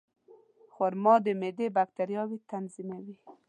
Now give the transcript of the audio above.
خرما د معدې باکتریاوې تنظیموي.